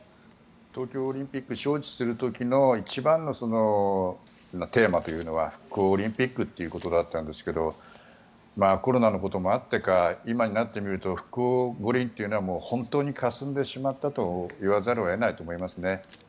東京オリンピック招致する時の一番のテーマというのは復興オリンピックということだったんですけどコロナのこともあってか今になってみると復興五輪というのは本当にかすんでしまったと言わざるを得ないと思いますね。